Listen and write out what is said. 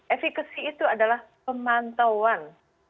efekasi itu adalah pemantauan